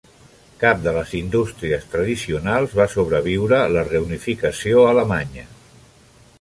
Cap de les indústries tradicionals va sobreviure la reunificació alemanya.